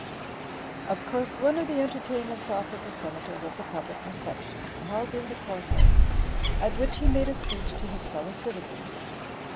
Of course one of the entertainments offered the Senator was a public reception, held in the court house, at which he made a speech to his fellow citizens.